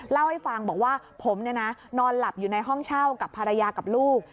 เล่าให้ฟังบอกว่าผมนอนหลับอยู่ในห้องเช่ากับภรรยากับลูก